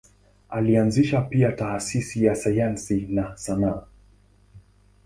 Alianzisha pia taasisi za sayansi na sanaa.